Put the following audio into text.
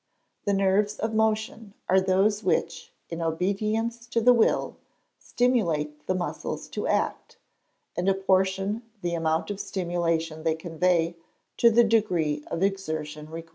_ The nerves of motion are those which, in obedience to the will, stimulate the muscles to act, and apportion the amount of stimulation they convey to the degree of exertion required.